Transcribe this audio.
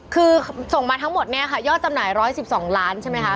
คือส่งมาทั้งหมดเนี่ยค่ะยอดจำหน่าย๑๑๒ล้านใช่ไหมคะ